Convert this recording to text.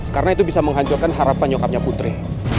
karena itu bisa menghancurkan harapan nyokapnya putri